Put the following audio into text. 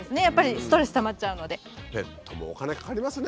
やっぱりストレスたまっちゃうので。